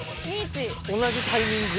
同じタイミングで。